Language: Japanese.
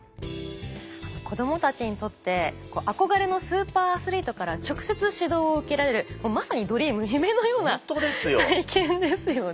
子供たちにとって憧れのスーパーアスリートから直接指導を受けられるまさにドリーム夢のような体験ですよね。